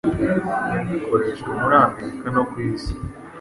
bikoreshwa muri Amerika no kw'isi